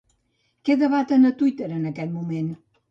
Què debaten a Twitter en aquest moment?